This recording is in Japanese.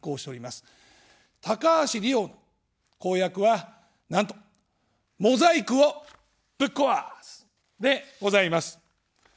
高橋理洋の公約は、なんとモザイクをぶっ壊すでございます。